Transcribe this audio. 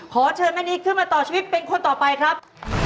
ขอเชิญแม่นิดขึ้นมาต่อชีวิตเป็นคนต่อไปครับ